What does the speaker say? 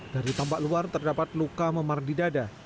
dari tampak luar terdapat luka memar di dada